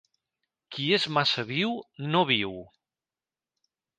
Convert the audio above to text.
Qui és massa viu, no viu.